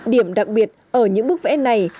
điểm đặc biệt ở những bức vẽ này